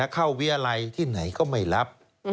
เข้าเวียไรที่ไหนก็ไม่รับ